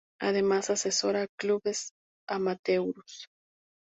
Además asesora a clubes amateurs.